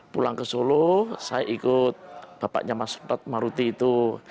pulang ke solo saya ikut bapaknya mas maruti itu